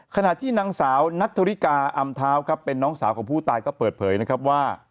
ขณะที่นางสาวนัทธริกาอำเท้าครับเป็นน้องสาวของผู้ตายก็เปิดเผยนะครับว่า